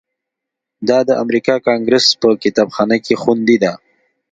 دا د امریکا کانګریس په کتابخانه کې خوندي ده.